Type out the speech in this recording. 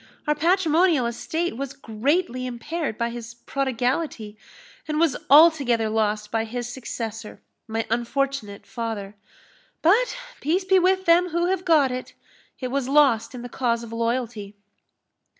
Our patrimonial estate was greatly impaired by his prodigality, and was altogether lost by his successor, my unfortunate father. But peace be with them who have got it! it was lost in the cause of loyalty."